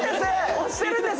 押してるんです。